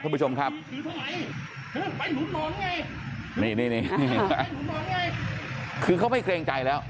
ท่านผู้ชมครับนี่นี่นี่คือเขาไม่เกรงใจแล้ว